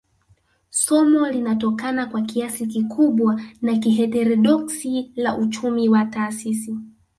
Somo linatokana kwa kiasi kikubwa na kiheterodoksi la uchumi wa taasisi